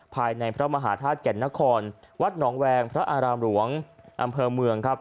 ภายในพระมหาธาตุแก่นนครวัดหนองแวงพระอารามหลวงอำเภอเมืองครับ